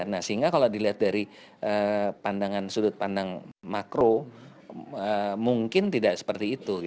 nah sehingga kalau dilihat dari pandangan sudut pandang makro mungkin tidak seperti itu